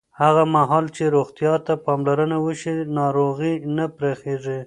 هغه مهال چې روغتیا ته پاملرنه وشي، ناروغۍ نه پراخېږي.